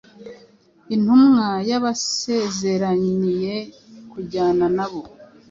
intumwa yabasezeraniye kujyana na bo.